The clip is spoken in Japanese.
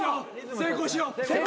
成功しよう。